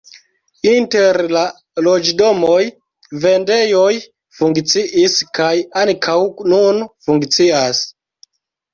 Inter la loĝdomoj vendejoj funkciis kaj ankaŭ nun funkcias.